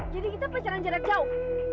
jadi kita pacaran jarak jauh